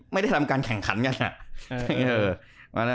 ไม่ได้ทำการแข่งขันกัน